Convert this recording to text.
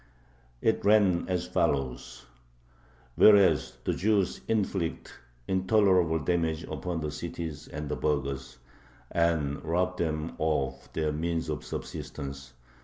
It ran as follows: Whereas the Jews inflict intolerable damage upon the cities and the burghers, and rob them of their means of subsistence...